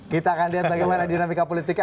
kita akan lihat bagaimana dinamika politiknya